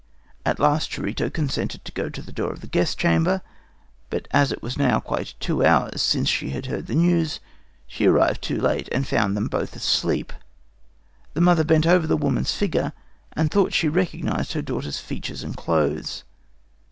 At last Charito consented to go to the door of the guest chamber, but as it was now quite two hours since she had heard the news, she arrived too late, and found them both asleep. The mother bent over the woman's figure, and thought she recognized her daughter's features and clothes.